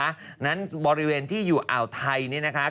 ดังนั้นบริเวณที่อยู่อาวไทยเนี่ยนะคะ